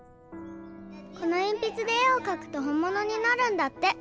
このえんぴつで絵をかくと本ものになるんだって。